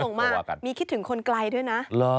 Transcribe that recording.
ส่งมามีคิดถึงคนไกลด้วยนะ